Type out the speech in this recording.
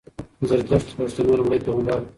زردښت د پښتنو لومړی پېغمبر وو